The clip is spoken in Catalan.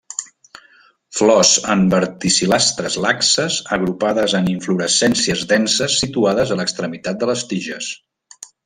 Flors en verticil·lastres laxes agrupades en inflorescències denses situades a l'extremitat de les tiges.